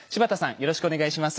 よろしくお願いします。